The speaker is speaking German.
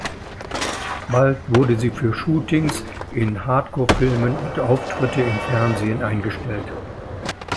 Bald wurde sie für Shootings in Hardcore-Filmen und Auftritte im Fernsehen eingestellt.